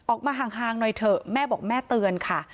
ออกมาห่างหน่อยเถอะแม่บอกแม่เตือนค่ะ